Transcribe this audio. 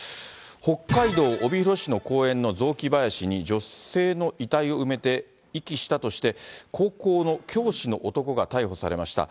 北海道帯広市の公園の雑木林に、女性の遺体を埋めて遺棄したとして、高校の教師の男が逮捕されました。